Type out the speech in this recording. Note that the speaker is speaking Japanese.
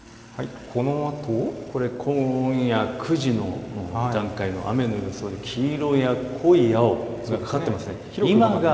これ今夜９時の段階の雨の予想で黄色や濃い青が広くかかっています。